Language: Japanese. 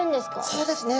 そうですね。